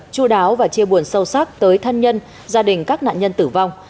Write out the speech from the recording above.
chú đáo và chia buồn sâu sắc tới thân nhân gia đình các nạn nhân tử vong